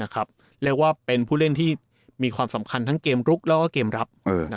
เรียกว่าเป็นผู้เล่นที่มีความสำคัญทั้งเกมลุกแล้วก็เกมรับ